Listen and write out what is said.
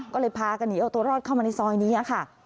ก็เลยพากันหนีเอาตัวรอดเข้ามาในซอยนี้ค่ะ